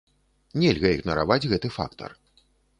Нельга ігнараваць гэты фактар.